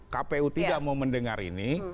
kpu tidak mau mendengar ini